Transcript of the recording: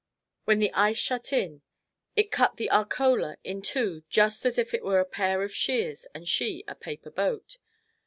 When the ice shut in, it cut the "Arcola" in two just as if it was a pair of shears and she a paper boat.